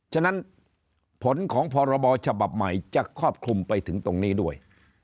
ฉะนั้นผลของพรบฉบับใหม่จะครอบคลุมไปถึงตรงนี้ด้วย